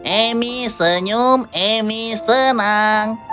emi senyum emi senang